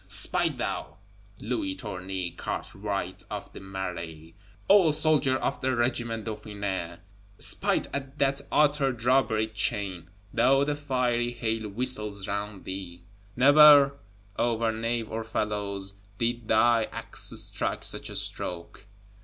Smite thou, Louis Tournay, cartwright of the Marais, old soldier of the Regiment Dauphiné; smite at that Outer Drawbridge chain, though the fiery hail whistles round thee! Never, over nave or felloe, did thy axe strike such a stroke.